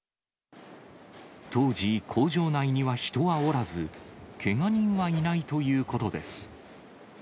当時、工場内には人はおらず、けが人はいないということです。